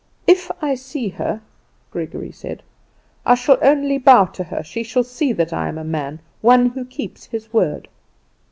"If I see her," Gregory said, "I shall only bow to her. She shall see that I am a man, one who keeps his word."